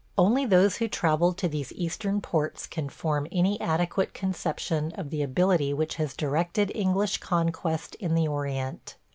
Only those who travel to these Eastern ports can form any adequate conception of the ability which has directed English conquest in the Orient.